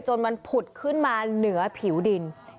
จนมันผุดขึ้นมาเหนือผิวดิน